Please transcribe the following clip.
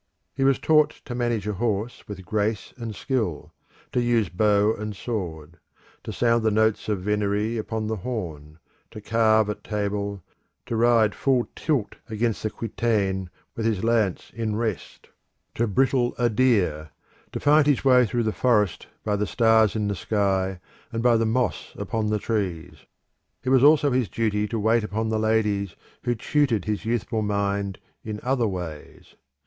He was taught to manage a horse with grace and skill, to use bow and sword, to sound the notes of venerie upon the horn, to carve at table, to ride full tilt against the quintaine with his lance in rest, to brittle a deer, to find his way through the forest by the stars in the sky and by the moss upon the trees. It was also his duty to wait upon the ladies, who tutored his youthful mind in other ways.